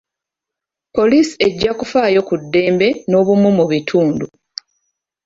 Poliisi ejja kufaayo ku ddembe n'obumu mu kitundu.